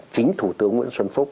chính thủ tướng nguyễn xuân phúc